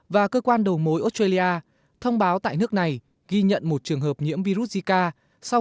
và cơ quan đầu mối australia thông báo tại nước này ghi nhận một trường hợp nhiễm virus zika sau